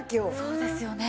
そうですよね。